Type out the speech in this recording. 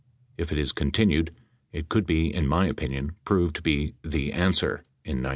If it is continued, it could, in my opinion, prove to be "the answer" in 1976.